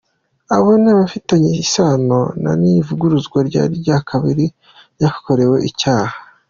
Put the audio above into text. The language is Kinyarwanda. Abo ni abafitanye isano na Ntivuguruzwa na nyir’akabari k’ahakorewe icyaha.